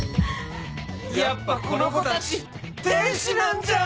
やっぱこの子たち天使なんじゃん！